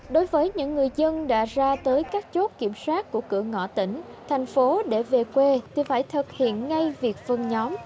đối với những người dân đã ra tới các chốt kiểm soát của cửa ngõ tỉnh thành phố để về quê thì phải thực hiện ngay việc phân nhóm